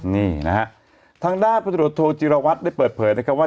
นี่นะฮะทางด้านพลตรวจโทจิรวัตรได้เปิดเผยนะครับว่า